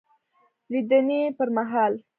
دلیدني پر مهال